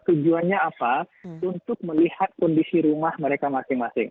tujuannya apa untuk melihat kondisi rumah mereka masing masing